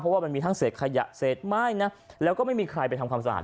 ว่ามันมีทั้งเศษขยะเศษไม้นะแล้วก็ไม่มีใครไปทำความสะอาด